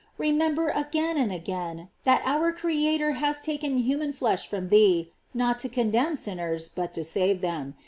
Remember again and again that our Creator has taken human flesh from thee, not to condemn sinners, but to save them.